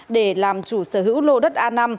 để làm chủ sở hữu lô đất a năm